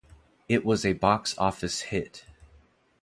It was a box office hit.